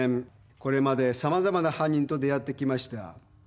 これまで様々な犯人と出会ってきました。